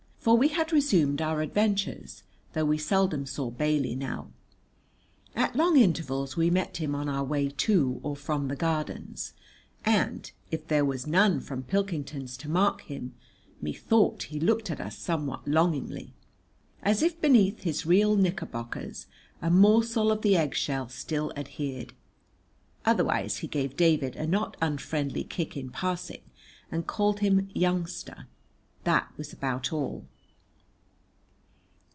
For we had resumed our adventures, though we seldom saw Bailey now. At long intervals we met him on our way to or from the Gardens, and, if there was none from Pilkington's to mark him, methought he looked at us somewhat longingly, as if beneath his real knickerbockers a morsel of the egg shell still adhered. Otherwise he gave David a not unfriendly kick in passing, and called him "youngster." That was about all.